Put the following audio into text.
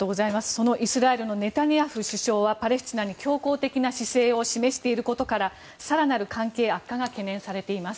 そのイスラエルのネタニヤフ首相はパレスチナに強硬的な姿勢を示していることから更なる関係悪化が懸念されています。